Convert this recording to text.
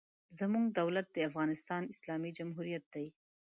زموږ دولت د افغانستان اسلامي جمهوریت دی.